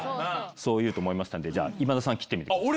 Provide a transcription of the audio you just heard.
そう言うと思いましたのでじゃあ今田さん切ってみてください。